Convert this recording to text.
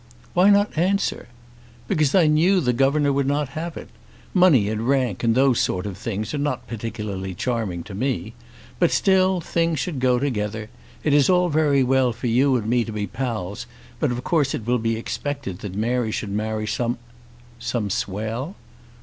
"Why not answer?" "Because I knew the governor would not have it. Money and rank and those sort of things are not particularly charming to me. But still things should go together. It is all very well for you and me to be pals, but of course it will be expected that Mary should marry some " "Some swell?"